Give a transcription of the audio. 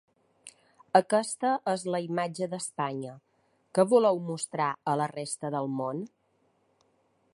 Aquesta és la imatge d‘Espanya que voleu mostrar a la resta del món?’